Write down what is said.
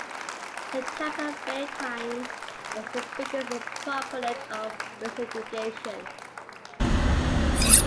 The Tampa Bay Times was the biggest proponent of resegregation.